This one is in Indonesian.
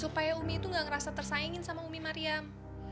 kayak umi tuh gak ngerasa tersaingin sama umi mariam